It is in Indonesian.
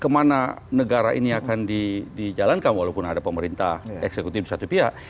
kemana negara ini akan dijalankan walaupun ada pemerintah eksekutif satu pihak